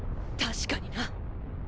確かにな。